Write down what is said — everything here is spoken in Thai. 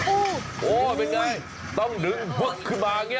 โอ้เป็นอย่างไรต้องดึงขึ้นมานี่